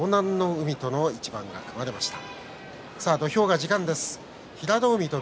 海との一番が組まれました。